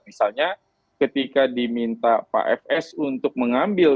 misalnya ketika diminta pak fs untuk mengambil